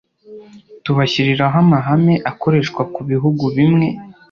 tubashyiriraho amahame akoreshwa ku bihugu bimwe